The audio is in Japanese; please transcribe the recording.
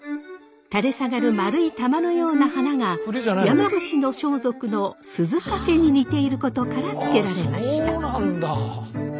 垂れ下がる丸い球のような花が山伏の装束の鈴懸に似ていることから付けられました。